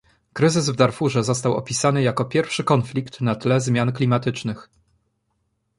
Kryzys w Darfurze został opisany jako pierwszy konflikt na tle zmian klimatycznych